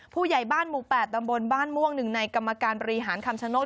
ผู้ใหญ่บ้านหมู่๘ตำบลบ้านม่วง๑ในกรรมการบริหารคำชโนธ